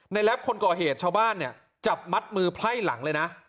แรปคนก่อเหตุชาวบ้านเนี่ยจับมัดมือไพ่หลังเลยนะ